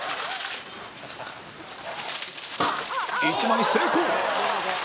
１枚成功！